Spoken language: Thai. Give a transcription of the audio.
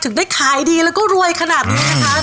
ถึงได้ขายค่าดีและก็รวยขนาดนี้นะคะ